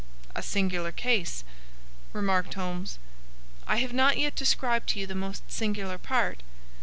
"A singular case," remarked Holmes. "I have not yet described to you the most singular part.